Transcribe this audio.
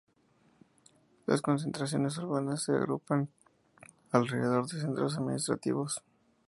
Las concentraciones urbanas se agrupan alrededor de centros administrativos.